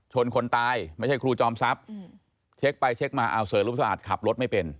คนตายไม่ใช่ครูจอมทรัพย์เช็คไปเช็คมาเอาเสือรูปสะอาดขับรถไม่เป็น